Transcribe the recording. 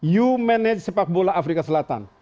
you manage sepak bola afrika selatan